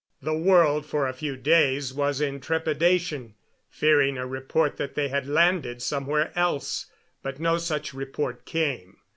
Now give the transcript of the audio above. The world for a few days was in trepidation, fearing a report that they had landed somewhere else, but no such report came.